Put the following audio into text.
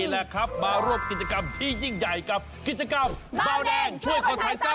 แต่ก็ต้องบีบให้ถูกทำให้ถูกกติกา